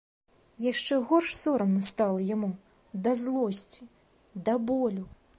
Яшчэ горш сорамна стала яму, да злосці, да болю.